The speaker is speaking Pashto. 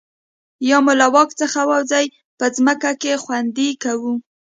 یا مو له واک څخه ووځي په ځمکه کې خوندي کوو.